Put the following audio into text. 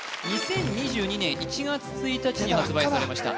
２０２２年１月１日に発売されました